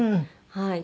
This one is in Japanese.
はい。